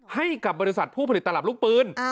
ให้กับบริษัทผู้ผลิตตลับลูกปืน